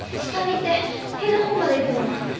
下見って塀の方まで行くの？